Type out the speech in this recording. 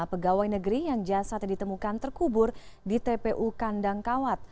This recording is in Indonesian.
pegawai negeri yang jasad ditemukan terkubur di tpu kandangkawat